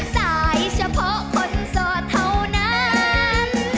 สายเฉพาะคนโสดเท่านั้น